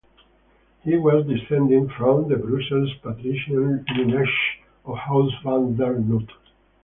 He was descended from the Brussels patrician lineage of House van der Noot.